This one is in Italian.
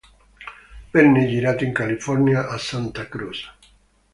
Venne girato in California, a Santa Cruz.